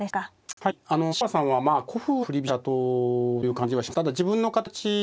はい西川さんはまあ古風な振り飛車党という感じがします。